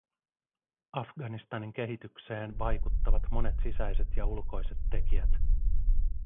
Afganistanin kehitykseen vaikuttavat monet sisäiset ja ulkoiset tekijät.